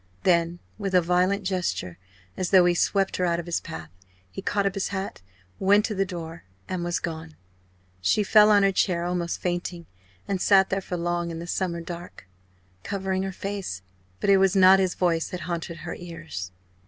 Then, with a violent gesture as though he swept her out of his path he caught up his hat, went to the door, and was gone. She fell on her chair almost fainting, and sat there for long in the summer dark, covering her face. But it was not his voice that haunted her ears.